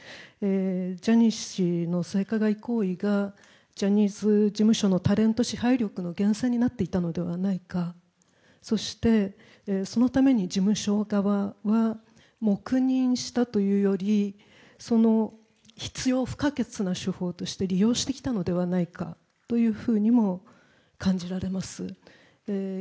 ジャニー氏の性加害行為がジャニーズ事務所のタレント支配力の源泉になっていたのではないか、そしてそのために事務所側は黙認したというより、必要不可欠な手法として利用してきたのではないかとも感じられます。